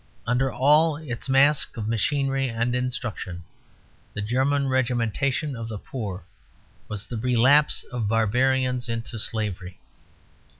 Under all its mask of machinery and instruction, the German regimentation of the poor was the relapse of barbarians into slavery.